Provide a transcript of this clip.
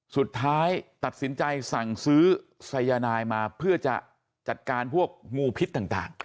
สุดท้ายตัดสินใจสั่งซื้อสายนายมาเพื่อจะจัดการพวกงูพิษต่าง